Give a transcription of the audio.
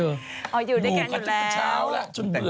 อ๋ออยู่ด้วยกันอยู่แล้วอ๋ออยู่กันจนกันเช้าแล้วจนเบื่อ